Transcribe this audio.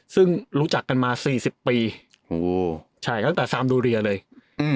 ซึ่งรู้จักกันมาสี่สิบปีโอ้โหใช่ครับตั้งแต่ซามดูเรียเลยอืม